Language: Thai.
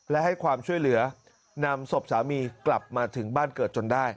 และให้ความช่วยเหลือนำศพสามีกลับมาถึงบ้านเกิดจนได้